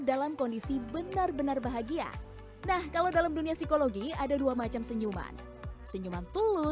dalam kondisi benar benar bahagia nah kalau dalam dunia psikologi ada dua macam senyuman senyuman tulung